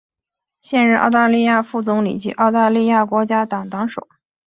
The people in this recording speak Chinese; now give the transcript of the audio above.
现任澳大利亚副总理及澳大利亚国家党党首。